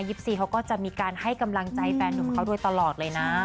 เขาก็จะมีการให้กำลังใจแฟนหนุ่มเขาโดยตลอดเลยนะ